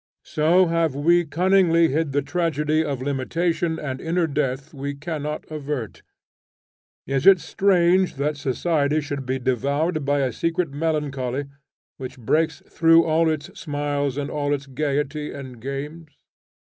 So have we cunningly hid the tragedy of limitation and inner death we cannot avert. Is it strange that society should be devoured by a secret melancholy which breaks through all its smiles and all its gayety and games?